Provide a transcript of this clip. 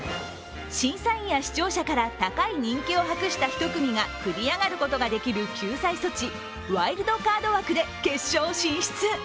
審査員や視聴者から高い人気を博した１組が繰り上がることができる救済措置ワイルドカード枠で決勝進出。